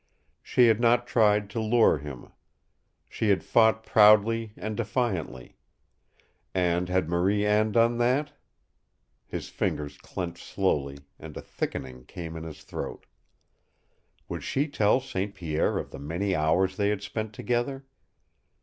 She had not tried to lure him. She had fought proudly and defiantly. And had Marie Anne done that? His fingers clenched slowly, and a thickening came in his throat. Would she tell St. Pierre of the many hours they had spent together?